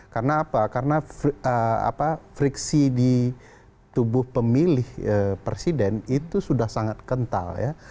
karena apa karena friksi di tubuh pemilih presiden itu sudah sangat kental ya